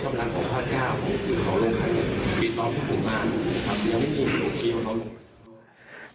ยังไม่มีทางลงที่เราปิดล้อม